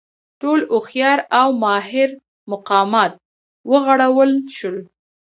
ټول هوښیار او ماهر مقامات وغولول شول.